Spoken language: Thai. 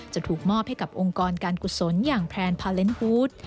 จะถูกมอบให้กับองค์กรการกุศลอย่างแพลนพาเลนฮูต